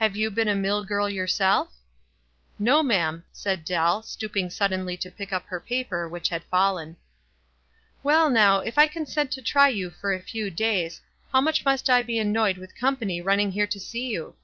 "Have you been a mill girl yourself?" "No, ma'am," said Dell, stooping suddenly to pick up her paper which had fallen. " Well, now, if I consent to try you for a few days, how much must I be annoyed with com pany running here to see you?